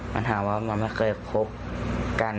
มันถามว่ามันไม่เคยคบกัน